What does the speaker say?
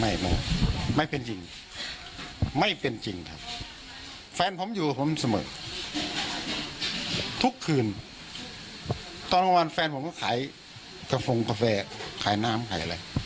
ไม่ไม่เป็นจริงไม่เป็นจริงครับแฟนผมอยู่กับผมเสมอทุกคืนตอนกลางวันแฟนผมก็ขายกระฟงกาแฟขายน้ำขายอะไร